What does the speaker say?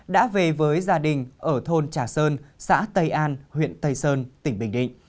đã về với gia đình ở thôn trà sơn xã tây an huyện tây sơn tỉnh bình định